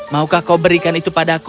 maukah kau berikan itu padaku